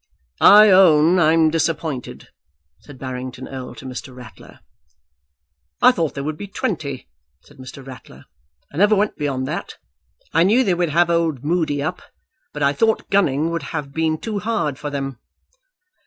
"I own I'm disappointed," said Barrington Erle to Mr. Ratler. "I thought there would be twenty," said Mr. Ratler. "I never went beyond that. I knew they would have old Moody up, but I thought Gunning would have been too hard for them."